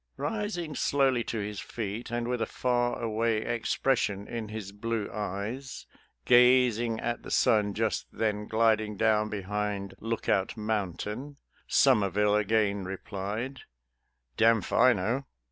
Eising slowly to his feet, and with a far away expression in his blue eyes, gazing at the sun just then gliding down behind Lookout Mountain, Somerville again re plied, " Damfiknow."